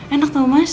enak tau mas